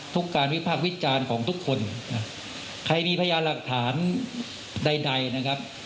ทุกการวิพากษ์วิจารณ์ของทุกคนใครมีพยานหลักฐานใดนะครับ